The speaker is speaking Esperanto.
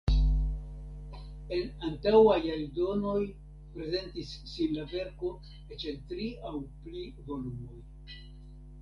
En antaŭaj eldonoj prezentis sin la verko eĉ en tri aŭ pli volumoj.